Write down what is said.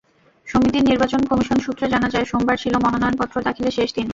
সমিতির নির্বাচন কমিশন সূত্রে জানা যায়, সোমবার ছিল মনোনয়নপত্র দাখিলের শেষ দিন।